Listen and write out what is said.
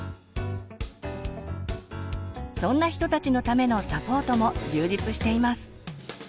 そんな人たちのためのサポートも充実しています。